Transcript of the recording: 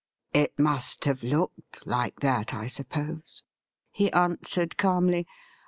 '''' It must have looked like that, I suppose,' he answered calmly.